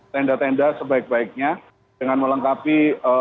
tenda tenda sebaik baiknya dengan melengkapi